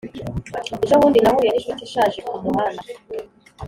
ejobundi nahuye ninshuti ishaje kumuhanda.